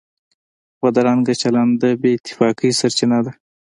بدرنګه چلند د بې اتفاقۍ سرچینه ده